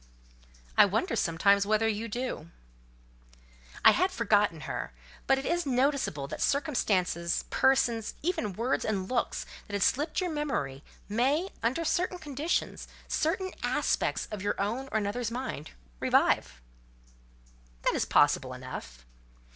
"I wonder, sometimes, whether you do." "I had forgotten her; but it is noticeable, that circumstances, persons, even words and looks, that had slipped your memory, may, under certain conditions, certain aspects of your own or another's mind, revive." "That is possible enough."